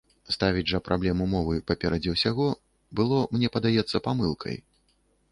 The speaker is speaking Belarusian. Ставіць жа праблему мовы паперадзе ўсяго было, мне падаецца, памылкай.